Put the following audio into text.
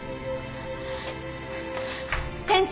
店長！